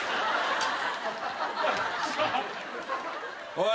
おい。